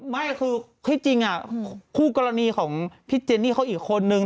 ไม่คือที่จริงคู่กรณีของพี่เจนี่เขาอีกคนนึง